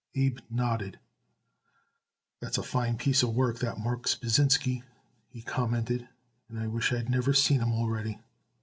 Abe nodded. "That's a fine piece of work, that Marks Pasinsky," he commented. "I wish I had never seen him already.